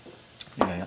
いやいや。